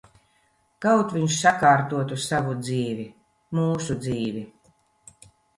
Kaut viņš sakārtotu savu dzīvi. Mūsu dzīvi.